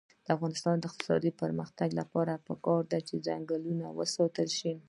د افغانستان د اقتصادي پرمختګ لپاره پکار ده چې ځنګلونه وساتل شي.